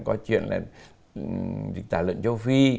qua chuyện tà luận châu phi